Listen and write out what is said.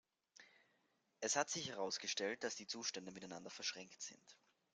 Es hat sich herausgestellt, dass die Zustände miteinander verschränkt sind.